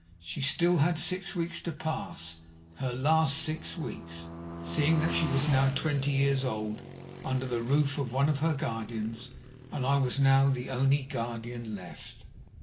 She had still six weeks to pass her last six weeks, seeing that she was now twenty years old under the roof of one of her guardians, and I was now the only guardian left.